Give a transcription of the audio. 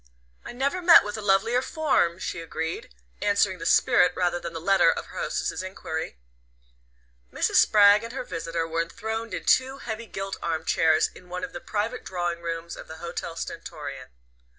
"I never met with a lovelier form," she agreed, answering the spirit rather than the letter of her hostess's enquiry. Mrs. Spragg and her visitor were enthroned in two heavy gilt armchairs in one of the private drawing rooms of the Hotel Stentorian.